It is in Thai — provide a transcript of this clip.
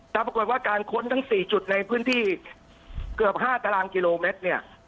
แต่ปรากฏว่าการค้นทั้ง๔จุดในพื้นที่เกือบ๕ตารางกิโลเมตรเนี่ย